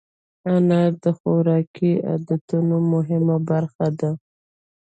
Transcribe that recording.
انار د خوراکي عادتونو مهمه برخه ده.